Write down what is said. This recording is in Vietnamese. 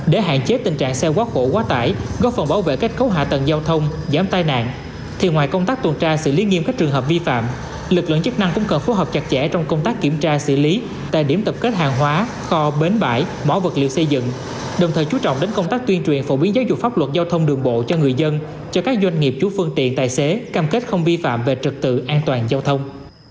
để hạn chế tình trạng xe quá khổ quá tải góp phần bảo vệ cách khấu hạ tầng giao thông giám tai nạn thì ngoài công tác tuần tra xử lý nghiêm khách trường hợp vi phạm lực lượng chức năng cũng cần phối hợp chặt chẽ trong công tác kiểm tra xử lý tại điểm tập kết hàng hóa kho bến bãi bỏ vật liệu xây dựng đồng thời chú trọng đến công tác tuyên truyền phổ biến giáo dục pháp luật giao thông đường bộ cho người dân cho các doanh nghiệp chú phương tiện tài xế cam kết không vi phạm về trực tự an toàn giao thông